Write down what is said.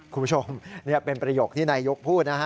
คุณผู้ชมนี่เป็นประโยคที่นายกพูดนะฮะ